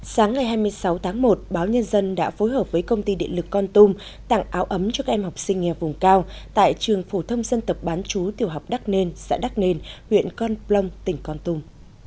sáng ngày hai mươi sáu tháng một báo nhân dân đã phối hợp với công ty điện lực con tum tặng áo ấm cho các em học sinh nghèo vùng cao tại trường phổ thông dân tộc bán chú tiểu học đắc nên xã đắc nền huyện con plong tỉnh con tum